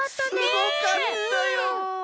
すごかったよ。